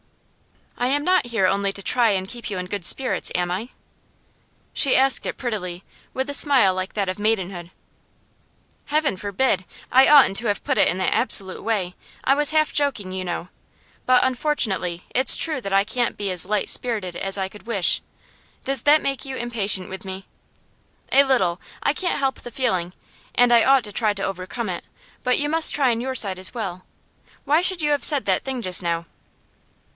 'I am not here only to try and keep you in good spirits, am I?' She asked it prettily, with a smile like that of maidenhood. 'Heaven forbid! I oughtn't to have put it in that absolute way. I was half joking, you know. But unfortunately it's true that I can't be as light spirited as I could wish. Does that make you impatient with me?' 'A little. I can't help the feeling, and I ought to try to overcome it. But you must try on your side as well. Why should you have said that thing just now?